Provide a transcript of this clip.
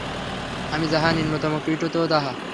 আমি যাহা, নিম্নতম কীটও তো তাহা।